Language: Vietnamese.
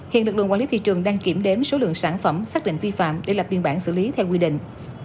hiện lực lượng quản lý thị trường đang kiểm đếm số lượng sản phẩm xác định vi phạm để lập biên bản xử lý theo quy định